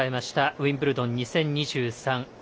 ウィンブルドン２０２３。